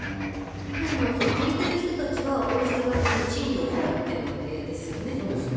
ただ、借りている人たちは王室側に賃料を払っているわけですよね。